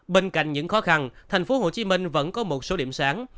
bên cạnh những khó khăn tp hcm vẫn có một số điểm sáng